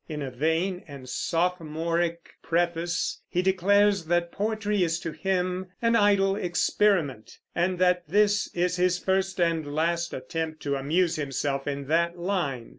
In a vain and sophomoric preface he declares that poetry is to him an idle experiment, and that this is his first and last attempt to amuse himself in that line.